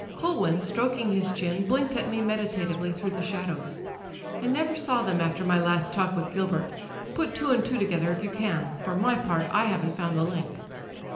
Culwin, stroking his chin, blinked at me meditatively through the shadows. "I never saw them after my last talk with Gilbert. Put two and two together if you can. For my part, I haven't found the link."